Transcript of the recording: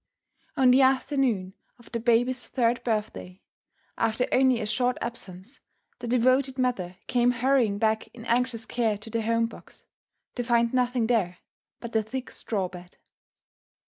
On the afternoon of the babies' third birthday, after only a short absence, the devoted mother came hurrying back in anxious care to the home box, to find nothing there but the thick straw bed.